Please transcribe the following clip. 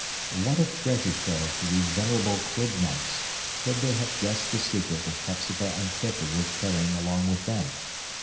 What a treasure trove to these venerable quidnuncs, could they have guessed the secret which Hepzibah and Clifford were carrying along with them!